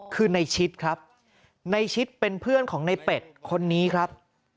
คือในชิดครับในชิดเป็นเพื่อนของในเป็ดคนนี้ครับ